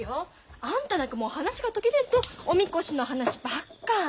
あんたなんかもう話が途切れるとお神輿の話ばっか。